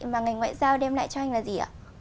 mà ngành ngoại giao đem lại cho anh là gì ạ